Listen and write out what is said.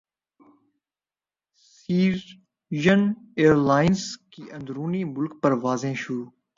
سیرین airline کی اندرون ملک پروازیں شروع